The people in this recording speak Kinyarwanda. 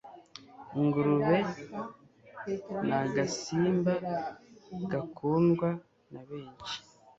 ingurube nnnagasimba gakundwa na benshi